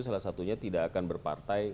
salah satunya tidak akan berpartai